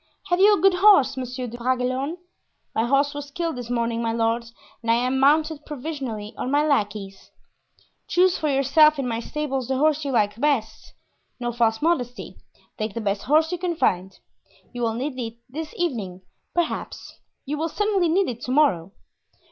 "Have you a good horse, Monsieur de Bragelonne?" "My horse was killed this morning, my lord, and I am mounted provisionally on my lackey's." "Choose for yourself in my stables the horse you like best. No false modesty; take the best horse you can find. You will need it this evening, perhaps; you will certainly need it to morrow."